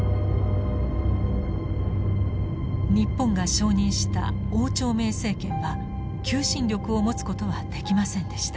日本が承認した汪兆銘政権は求心力を持つことはできませんでした。